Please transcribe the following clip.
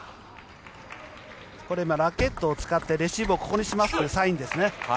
これラケットを使ってレシーブをここにしますというサインですね。